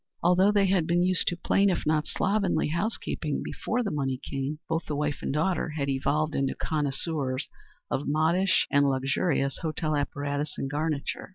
Although they had been used to plain, if not slovenly, house keeping before the money came, both the wife and daughter had evolved into connoisseurs of modish and luxurious hotel apparatus and garniture.